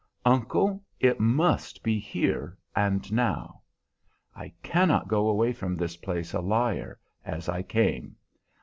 "Uncle, it must be here and now. I cannot go away from this place a liar, as I came.